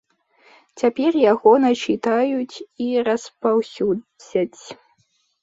Цяпер яго начытаюць і распаўсюдзяць.